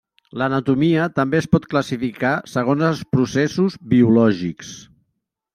L'anatomia també es pot classificar segons els processos biològics.